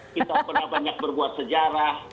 kita pernah banyak berbuat sejarah